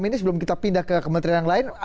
ini sebelum kita pindah ke kementerian yang lain